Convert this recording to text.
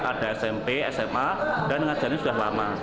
ada smp sma dan mengajarnya sudah lama